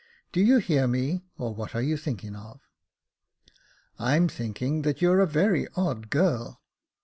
Do you hear me — or what are you thinking of ?"" I'm thinking that you're a very odd girl."